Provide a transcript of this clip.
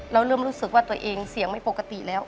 เริ่มรู้สึกว่าตัวเองเสียงไม่ปกติแล้ว